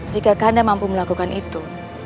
jika anda mampu melakukan itu